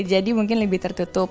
jadi mungkin lebih tertutup